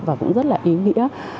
và cũng rất là ý nghĩa